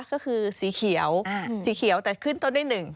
ก็คือสีเขียวสีเขียวแต่ขึ้นต้นได้๑